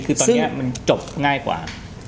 คือตอนนี้มันจบง่ายกว่า